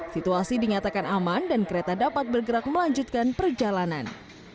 situasi dinyatakan aman dan kereta dapat bergerak melanjutkan perjalanan